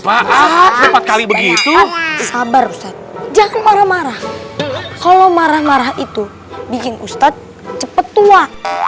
ustadz apa kali begitu sabar jangan marah marah kalau marah marah itu bikin ustadz cepet tua